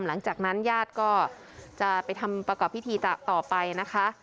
หลังจากนั้นญาติก็จะไปทำประกอบพิธีต่อไปนะคะ